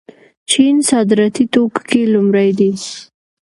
چین صادراتي توکو کې لومړی دی.